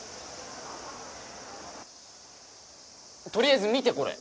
とりあえず見てこれ。